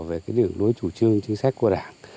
về cái điều đối chủ trương chính sách của đảng